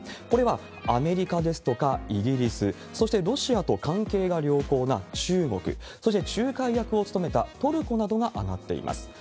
これはアメリカですとか、イギリス、そしてロシアと関係が良好な中国、そして仲介役を務めたトルコなどが挙がっています。